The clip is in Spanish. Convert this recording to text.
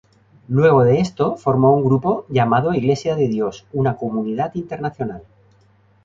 Luego de esto formó un nuevo grupo llamado Iglesia de Dios, una Comunidad Internacional.